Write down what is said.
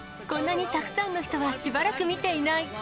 こんなにたくさんの人はしばらく見ていない。